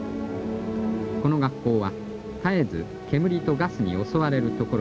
この学校は絶えず煙とガスに襲われるところです。